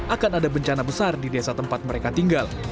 akan ada bencana besar di desa tempat mereka tinggal